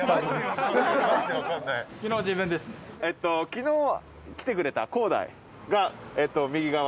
昨日来てくれた晃大が右側。